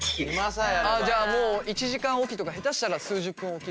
あじゃあもう１時間置きとか下手したら数十分置きぐらいの感じ？